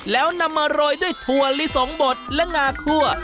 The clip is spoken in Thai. แล้วนำมาโรยด้วยถั่วลิสงบดและงาคั่ว